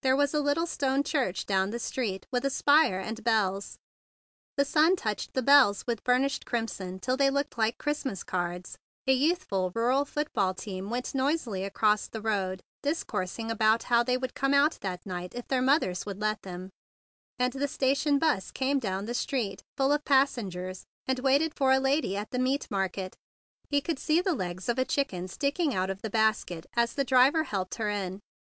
There was a little stone church down the street, with a spire and bells. The sun touched the bells with burnished crimson till they looked like Christmas cards. A youthful rural football team went noisily across the road, discours¬ ing about how they would come out that night if their mothers would let them; and the station cab came down the street full of passengers, and waited for a lady at the meat market. He could THE BIG BLUE SOLDIER 35 see the legs of a chicken sticking out of the basket as the driver helped her in.